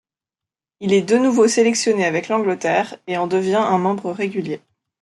Il est de nouveau sélectionné avec l'Angleterre et en devient un membre régulier.